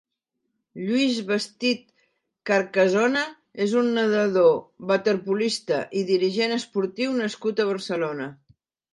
Lluis Bestit Carcasona és un nedador, waterpolista i dirigent esportiu nascut a Barcelona.